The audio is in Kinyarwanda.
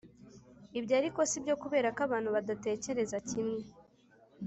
ibyo ariko si byo kubera ko abantu badatekereza kimwe